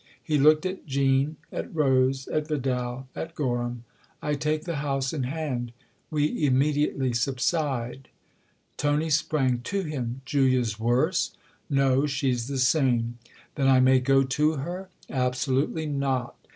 He looked at Jean, at Rose, at Vidal, at Gorham. " I take the house in hand. We immediately subside." Tony sprang to him. " Julia's worse ?"" No she's the same." " Then I may go to her ?"" Absolutely not."